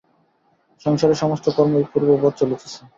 সংসারের সমস্ত কর্মই পূর্ববৎ চলিতেছে।